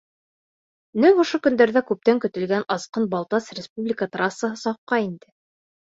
Нәҡ ошо көндәрҙә күптән көтөлгән Асҡын — Балтас республика трассаһы сафҡа инде.